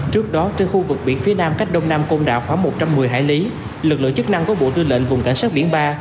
trước đó trên khu vực biển phía nam cách đông nam côn đảo khoảng một trăm một mươi hải lý lực lượng chức năng của bộ tư lệnh vùng cảnh sát biển ba